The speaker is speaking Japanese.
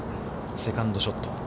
セカンドショット。